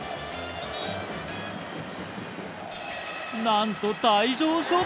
なんと。